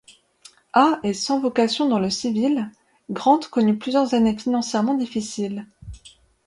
À et sans vocation dans le civil, Grant connut plusieurs années financièrement difficiles.